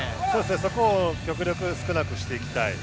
そこを極力少なくしていきたい。